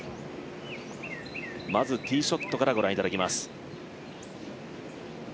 まずティーショットからご覧いただきます。